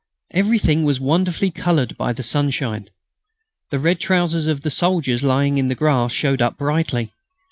Everything was wonderfully coloured by the sunshine. The red trousers of the soldiers, lying in the grass, showed up brightly.